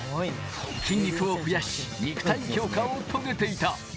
筋肉を増やし、肉体強化を遂げていた。